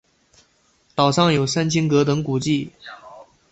岛上有三清阁等古迹。